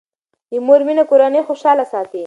د مور مینه کورنۍ خوشاله ساتي.